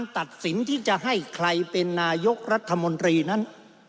ตัดสินที่จะให้ใครเป็นนายกรัฐมนตรีนั้น